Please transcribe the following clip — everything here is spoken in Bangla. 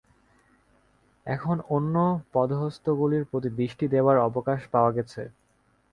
এখন অন্য পদ্মহস্তগুলির প্রতি দৃষ্টি দেবার অবকাশ পাওয়া গেছে।